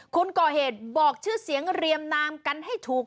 คนก่อเหตุบอกชื่อเสียงเรียมนามกันให้ถูก